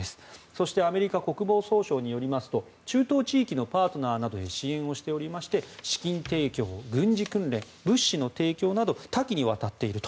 そしてアメリカ国防総省によりますと中東地域のパートナーなどに支援していまして資金提供、軍事訓練物資の提供など多岐にわたっていると。